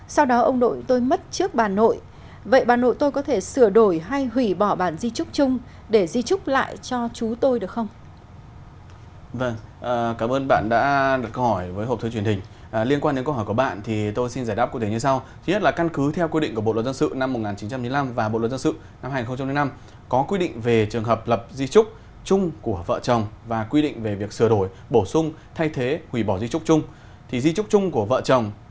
sau đó ông nội tôi mất trước bà nội vậy bà nội tôi có thể sửa đổi hay hủy bỏ bản di trúc chung để di trúc lại cho chú tôi được không